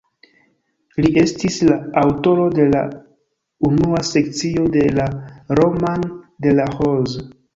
Li estis la aŭtoro de la unua sekcio de la "Roman de la Rose".